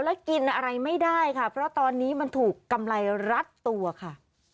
แล้วกินอะไรไม่ได้ค่ะเพราะตอนนี้มันถูกกำไรรัดตัวค่ะ